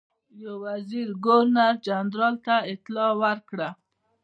یو وزیر ګورنر جنرال ته اطلاع ورکړه.